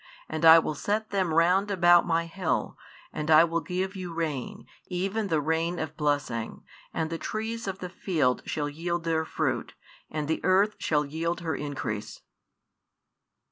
And I will set them round about My hill, and I will give you rain, even the rain of blessing, and the trees of the field shall yield their fruit, and the earth shall yield her increase.